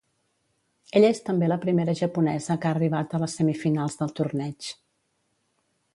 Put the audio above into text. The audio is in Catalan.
Ella és també la primera japonesa que ha arribat a les semifinals del torneig.